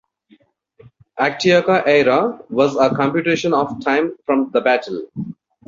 Actiaca Aera was a computation of time from the battle.